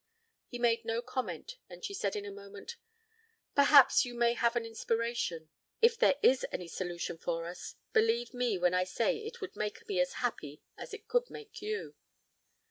He made no comment and she said in a moment: "Perhaps you may have an inspiration. If there is any solution for us, believe me when I say that it would make me as happy as it could make you."